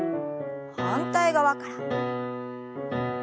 反対側から。